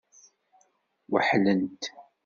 Weḥlent.